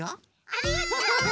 ありがとう！